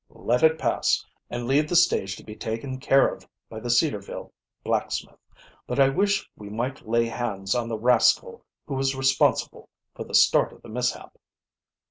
"Let it pass, and leave the stage to be taken care of by the Cedarville blacksmith. But I wish we might lay hands on the rascal who is responsible for the start of the mishap."